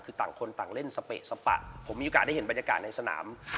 คือต่างคนต่างเล่นสเปะสปะผมมีโอกาสได้เห็นบรรยากาศในสนาม